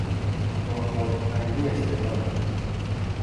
با خلقتنگی استعفا داد.